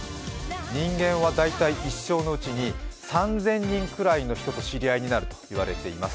人間は大体一生のうちに３０００人くらいの人と知り合いになるといわれています。